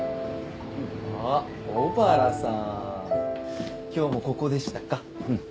あっ小原さん！今日もここでしたか。